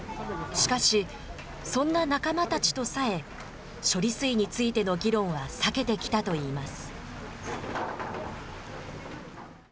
しかし、そんな仲間たちとさえ、処理水についての議論は避けてきたといいます。